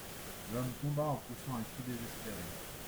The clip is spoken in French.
L'homme tomba en poussant un cri désespéré.